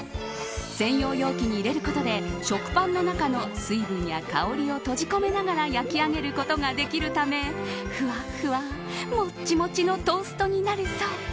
専用容器に入れることで食パンの中の水分や香りを閉じ込めながら焼き上げることができるためふわふわ、もちもちのトーストになるそう。